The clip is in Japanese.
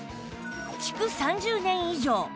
築３０年以上